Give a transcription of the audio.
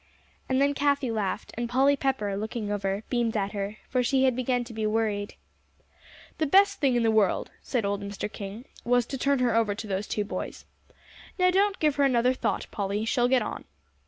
And then Cathie laughed, and Polly Pepper, looking over, beamed at her, for she had begun to be worried. "The best thing in the world," said old Mr. King, "was to turn her over to those two boys. Now, don't give her another thought, Polly; she'll get on."